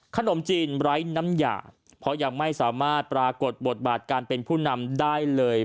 ขนมจีนไร้น้ำหยาเพราะยังไม่สามารถปรากฏบทบาทการเป็นผู้นำได้เลย